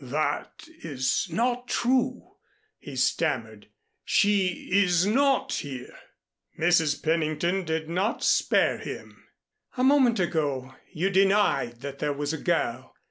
"That is not true," he stammered. "She is not here." Mrs. Pennington did not spare him. "A moment ago you denied that there was a girl.